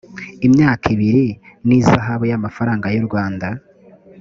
imyaka ibiri n ihazabu y amafaranga y urwanda